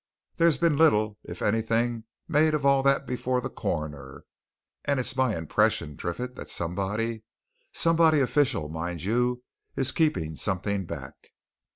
There's been little if anything made of all that before the Coroner, and it's my impression, Triffitt, that somebody somebody official, mind you is keeping something back.